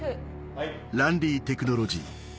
はい。